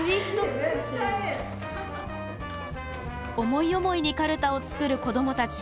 思い思いにかるたを作る子どもたち。